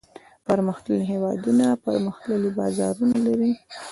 پرمختللي هېوادونه پرمختللي بازارونه لري.